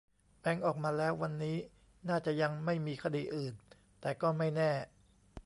แบงค์ ออกมาแล้ว วันนี้น่าจะยังไม่มีคดีอื่น แต่ก็ไม่แน่